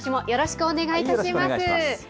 よろしくお願いします。